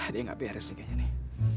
dia gak beres ini kayaknya nih